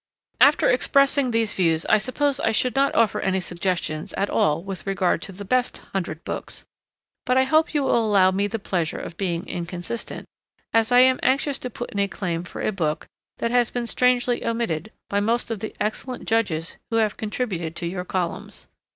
After expressing these views I suppose I should not offer any suggestions at all with regard to 'The Best Hundred Books,' but I hope you will allow me the pleasure of being inconsistent, as I am anxious to put in a claim for a book that has been strangely omitted by most of the excellent judges who have contributed to your columns.